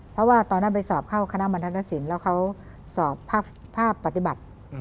เพราะว่าตอนนั้นไปสอบเข้าคณะบรรทัศน์ศิลป์แล้วเขาสอบภาพปฏิบัติ